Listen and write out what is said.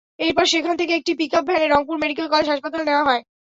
এরপর সেখান থেকে একটি পিকআপ ভ্যানে রংপুর মেডিকেল কলেজ হাসপাতালে নেওয়া হয়।